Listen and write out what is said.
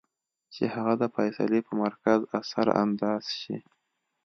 چې هغه د فېصلې پۀ مرکز اثر انداز شي -